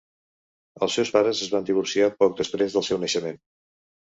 Els seus pares es van divorciar poc després del seu naixement.